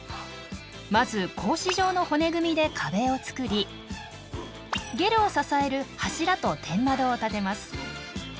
まず格子状の骨組みで壁を作りゲルを支える柱と天窓を立てます。